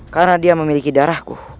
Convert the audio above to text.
karena dia memiliki darahku